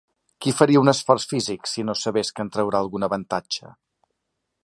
Qui faria un esforç físic si no sabés que en traurà algun avantatge?